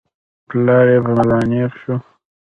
پلار يې په ملا نېغ شو.